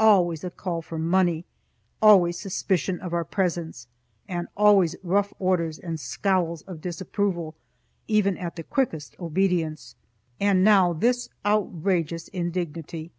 Always a call for money, always suspicion of our presence and always rough orders and scowls of disapproval, even at the quickest obedience. And now this outrageous indignity!